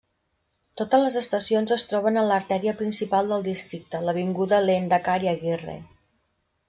Totes les estacions es troben en l'artèria principal del districte, l'avinguda Lehendakari Aguirre.